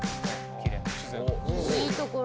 「いいところ」